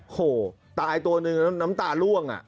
โอ้โฮตายตัวหนึ่งน้ำตาล่วง